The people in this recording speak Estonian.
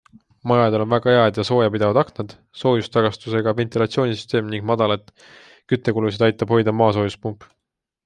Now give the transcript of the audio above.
Majadel on väga head ja soojapidavad aknad, soojustagastusega ventilatsioonisüsteem ning madalaid küttekulusid aitab hoida maasoojuspump.